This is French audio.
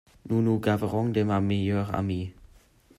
Nous nous gaverons de ma meilleure amie.